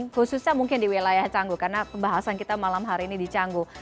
khususnya mungkin di wilayah cangguh karena pembahasan kita malam hari ini di canggu